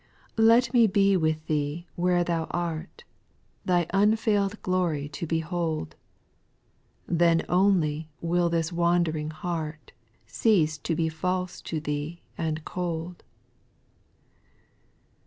2. Let me be with Thee where Thou art, Thy unveird glory to behold ; Then only will this wandering heart Cease to be false to Thee and cold.